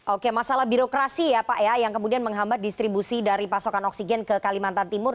oke masalah birokrasi ya pak ya yang kemudian menghambat distribusi dari pasokan oksigen ke kalimantan timur